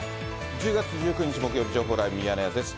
１０月１９日木曜日、情報ライブミヤネ屋です。